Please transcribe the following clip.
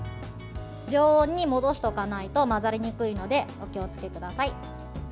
常温に戻しておかないと混ざりにくいのでお気をつけください。